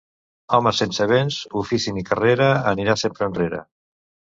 Home sense béns, ofici ni carrera, anirà sempre enrere.